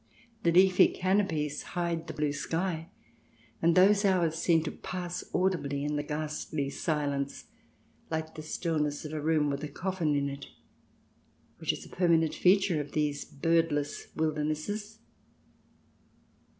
The leafy canopies hide the blue sky, and those hours seem to pass audibly in the ghastly silence — like the stillness of a room with a coffin in it — which is a permanent feature of these birdless wildernesses.